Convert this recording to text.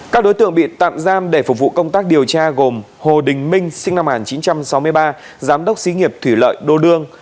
các đối tượng bị tạm giam để phục vụ công tác điều tra gồm hồ đình minh sinh năm một nghìn chín trăm sáu mươi ba giám đốc xí nghiệp thủy lợi đô lương